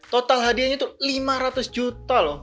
total hadiahnya itu lima ratus juta loh